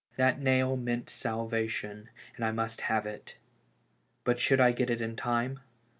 That nail meant salvation, and I must have it. But should I get it in time?